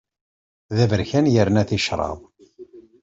D aberkan yerna ticraḍ.